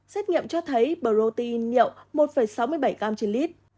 xét nghiệm cho thấy protein nhậu một sáu mươi bảy g trên lít